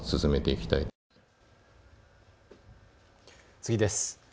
次です。